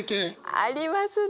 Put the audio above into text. ありますね！